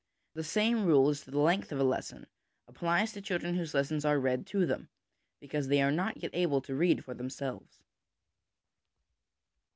The same rule as to the length of a lesson applies to children whose lessons are read to them because they are not yet able to read for themselves.